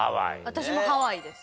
私もハワイです。